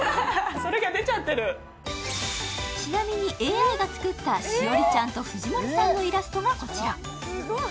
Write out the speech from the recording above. ちなみにＡＩが作った栞里ちゃんと藤森さんのイラストがこちら。